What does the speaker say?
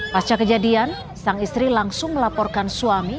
pasca kejadian sang istri langsung melaporkan suami